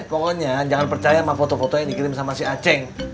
pokoknya jangan percaya sama foto foto yang dikirim sama si aceh